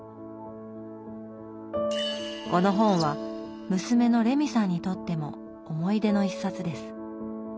この本は娘のレミさんにとっても思い出の一冊です。